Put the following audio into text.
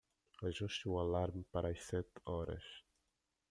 Ajuste o alarme para as sete horas.